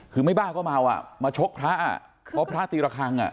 คือไม่บ้าก็มาว่ามาชกพระเพราะพระตีระคัง